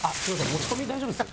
持ち込み大丈夫です？